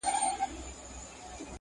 قاسم یاره دوی لقب د اِبهام راوړ.